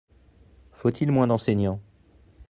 Faut-il moins d’enseignants ?